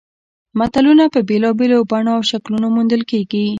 متلونه په بېلابېلو بڼو او شکلونو موندل کیږي